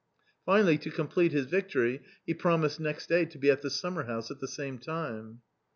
Finally, to complete his victory he pro mised next day to be at the summerhouse at the same time.